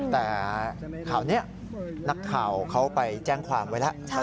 แต่ข่าวนี้นักข่าวเขาไปแจ้งความไว้แล้ว